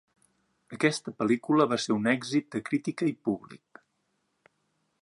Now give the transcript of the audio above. Aquesta pel·lícula va ser un èxit de crítica i públic.